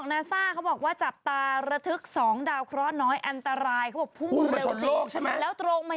นางคิดแบบว่าไม่ไหวแล้วไปกด